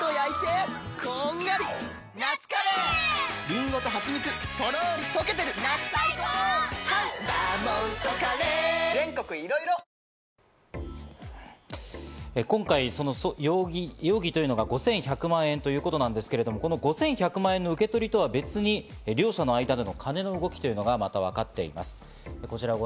今後の捜査はどうなっていく今回、その容疑というのが５１００万円ということなんですけど、その５１００万円の受け取りとは別に両者の間の金の動きというのが、またわかっています。